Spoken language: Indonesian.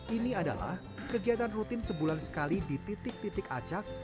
ini adalah kegiatan rutin sebulan sekali di titik titik acak